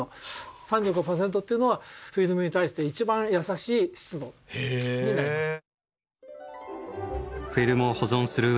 ３５％っていうのはフィルムに対して一番優しい湿度になります。